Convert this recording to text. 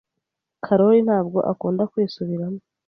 Karoli ntabwo akunda kwisubiramo.